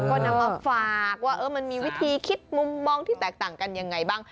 ก็นำมาฝากว่ามันมีวิธีคิดมุมมองที่แตกต่างกันยังไงบ้าง